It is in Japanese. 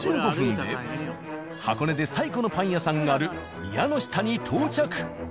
箱根で最古のパン屋さんがある宮ノ下に到着。